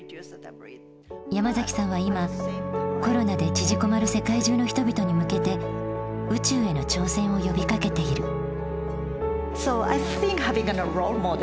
山崎さんは今コロナで縮こまる世界中の人々に向けて宇宙への挑戦を呼びかけている。